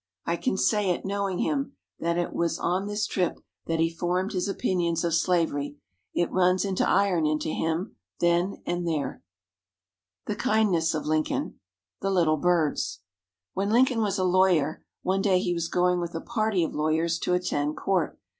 I can say it, knowing him, that it was on this trip that he formed his opinions of slavery. It run its iron into him, then and there." THE KINDNESS OF LINCOLN The Little Birds When Lincoln was a lawyer, one day he was going with a party of lawyers to attend court.